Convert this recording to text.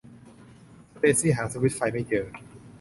สเตซี่หาสวิตซ์ไฟไม่เจอ